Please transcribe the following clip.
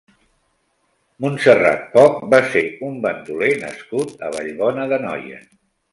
Montserrat Poch va ser un bandoler nascut a Vallbona d'Anoia.